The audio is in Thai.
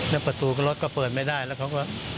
แล้วประตูรถก็เปิดไม่ได้แล้วเขาก็